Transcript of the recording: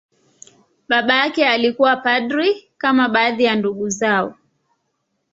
Baba yake alikuwa padri, kama baadhi ya ndugu zao.